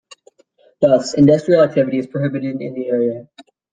Thus, industrial activity is prohibited in the area.